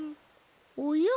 おや？